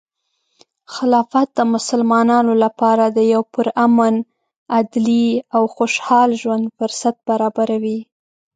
خلافت د مسلمانانو لپاره د یو پرامن، عدلي، او خوشحال ژوند فرصت برابروي.